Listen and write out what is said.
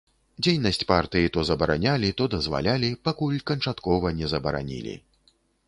Дзейнасць партыі то забаранялі, то дазвалялі, пакуль канчаткова не забаранілі.